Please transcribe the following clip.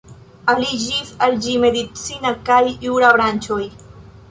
Aliĝis al ĝi medicina kaj jura branĉoj.